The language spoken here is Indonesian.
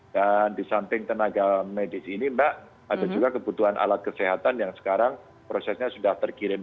dan di samping tenaga medis ini mbak ada juga kebutuhan alat kesehatan yang sekarang prosesnya sudah terkirim